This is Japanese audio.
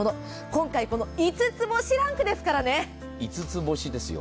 今回、この５つ星ランクですからね。